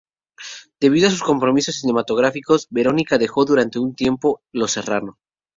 Debido a sus compromisos cinematográficos, Verónica dejó durante un tiempo "Los Serrano".